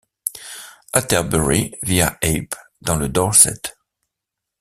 Atterbury vit à Eype dans le Dorset.